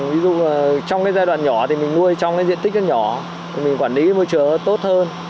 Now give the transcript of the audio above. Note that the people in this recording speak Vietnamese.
ví dụ trong cái giai đoạn nhỏ thì mình nuôi trong cái diện tích nó nhỏ thì mình quản lý môi trường nó tốt hơn